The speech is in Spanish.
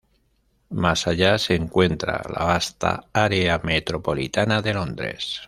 Más allá se encuentra la vasta área metropolitana de Londres.